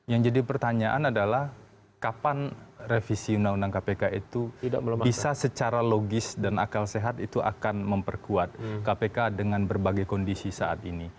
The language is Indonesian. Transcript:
yang jadi pertanyaan adalah kapan revisi undang undang kpk itu bisa secara logis dan akal sehat itu akan memperkuat kpk dengan berbagai kondisi saat ini